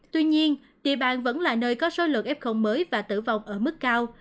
tuy nhiên địa bàn vẫn là nơi có số lượng ép không mới và tử vong ở mức cao